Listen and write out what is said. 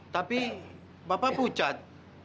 tapi bapak pucat